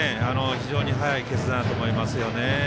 非常に早い決断だと思います。